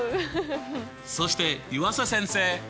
そして湯浅先生！